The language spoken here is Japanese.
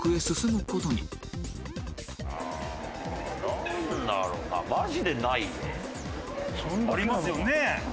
なんだろうなマジでないよ。ありますよね？